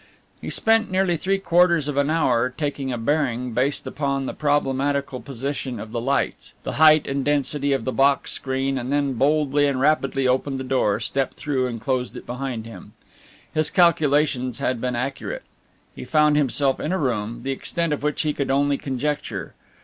He spent nearly three quarters of an hour taking a bearing based upon the problematical position of the lights, the height and density of the box screen and then boldly and rapidly opened the door, stepped through and closed it behind him. His calculations had been accurate. He found himself in a room, the extent of which he could only conjecture.